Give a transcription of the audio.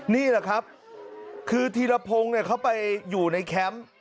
นี่แหละครับคือธีรพงศ์เขาไปอยู่ในแคมป์